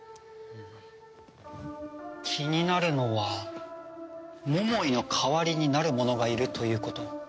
気になるのは桃井の代わりになる者がいるということ。